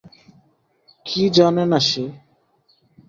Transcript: কী জানে না সে?